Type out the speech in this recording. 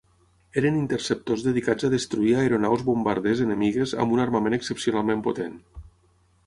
Eren interceptors dedicats a destruir aeronaus bombarders enemigues amb un armament excepcionalment potent.